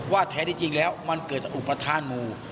ว่าแท้จริงแล้วมันเกิดจากอุปถานมู่